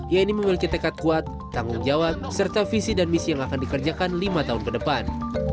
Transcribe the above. yaitu memiliki tekad kuat tanggung jawab serta visi dan misi yang akan dikerjakan lima tahun ke depan